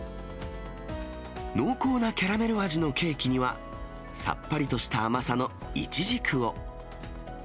濃厚なキャラメル味のケーキには、さっぱりとした甘さのイチジクを。